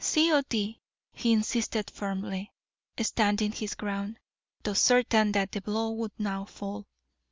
"C. O. D.," he insisted firmly, standing his ground, though certain that the blow would now fall.